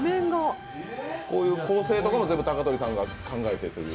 こういう構成とかも全部高取さんが考えてるっていう？